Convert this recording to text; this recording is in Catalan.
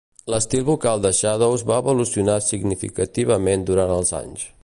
L'estil vocal de Shadows va evolucionar significativament durant els anys.